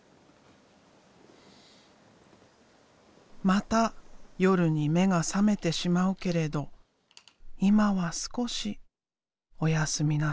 また夜に目が覚めてしまうけれど今は少し「おやすみなさい」。